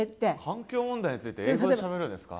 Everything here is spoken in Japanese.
環境問題について英語でしゃべるんですか？